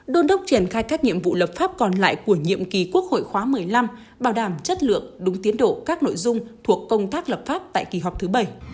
đôn đốc triển khai các nhiệm vụ lập pháp còn lại của nhiệm kỳ quốc hội khóa một mươi năm bảo đảm chất lượng đúng tiến độ các nội dung thuộc công tác lập pháp tại kỳ họp thứ bảy